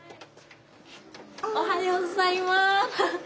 おはようございます。